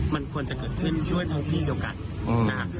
มันควรจะเกิดขึ้นด้วยท้องที่เดียวกันนะครับ